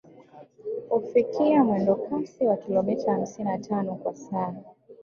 Hufikia mwendokasi wa kilometa hamsini na tano kwa saa